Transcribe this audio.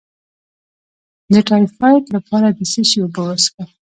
د ټایفایډ لپاره د څه شي اوبه وڅښم؟